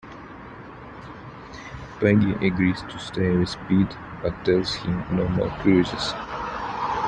Peggy agrees to stay with Pete but tells him no more cruises.